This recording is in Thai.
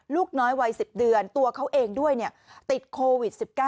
ลูกน้อยวัย๑๐เดือนตัวเขาเองด้วยติดโควิด๑๙